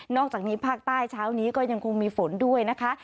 อกจากนี้ภาคใต้เช้านี้ก็ยังคงมีฝนด้วยนะคะ